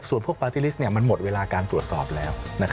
ส่วนพวกปาร์ตี้ลิสต์มันหมดเวลาการตรวจสอบแล้ว